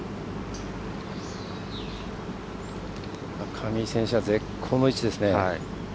上井選手は絶好の位置ですね。